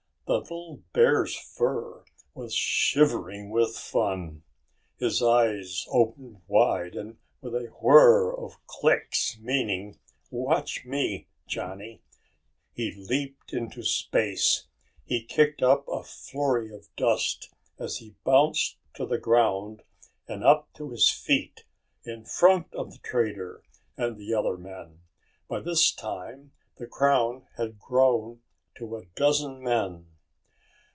The little bear's fur was shivering with fun. His eyes opened wide, and with a whir of clicks meaning, "Watch me, Johnny," he leaped into space. He kicked up a flurry of dust as he bounced to the ground and up to his feet in front of the trader and the other men. By this time the crowd had grown to a dozen men.